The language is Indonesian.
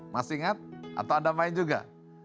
masih ingat atau anda main juga